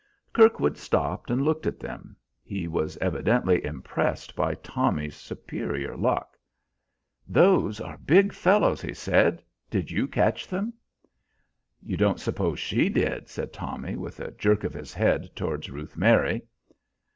Kirkwood stopped and looked at them; he was evidently impressed by Tommy's superior luck. "Those are big fellows," he said; "did you catch them?" "You don't suppose she did?" said Tommy, with a jerk of his head towards Ruth Mary.